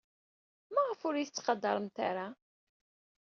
Maɣef ur iyi-tettqadaremt ara?